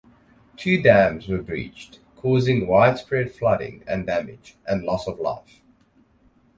Two dams were breached, causing widespread flooding and damage, and loss of life.